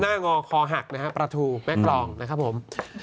หน้าง้อคอหักนะฮะประทูแม็กกรองนะครับผม